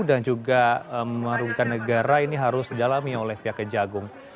juga merugikan negara ini harus didalami oleh pihak kejagung